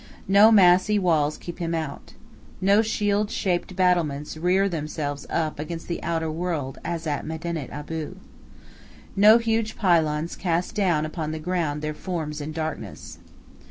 No massy walls keep him out. No shield shaped battlements rear themselves up against the outer world as at Medinet Abu. No huge pylons cast down upon the ground their forms in darkness.